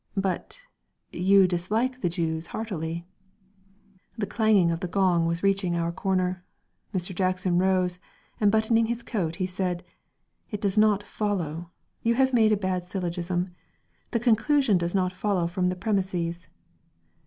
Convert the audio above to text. "But ... you dislike the Jews heartily...." The clanging of the gong was reaching our corner. Mr. Jackson rose and buttoning his coat, he said: "It does not follow. You have made a bad syllogism: the conclusion does not follow from the premises."